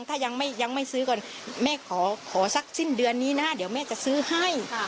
ถ้ายังไม่ซื้อก่อนแม่ขอสักสิ้นเดือนนี้นะเดี๋ยวแม่จะซื้อให้